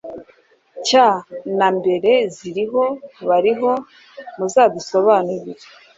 cya nambere ziriho bariho muzadusobanurire